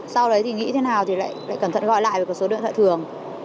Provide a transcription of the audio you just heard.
sau đấy thì nghĩ thế nào thì lại cẩn thận gọi lại về một số đoạn thợ thường